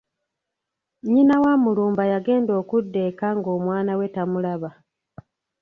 Nnyina wa Mulumba yagenda okudda eka ng’omwana we tamulaba.